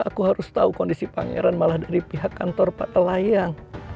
aku harus tahu kondisi pangeran malah dari pihak kantor pak telayang